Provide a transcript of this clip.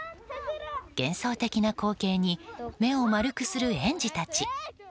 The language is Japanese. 幻想的な光景に目を丸くする園児たち。